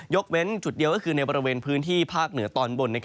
เว้นจุดเดียวก็คือในบริเวณพื้นที่ภาคเหนือตอนบน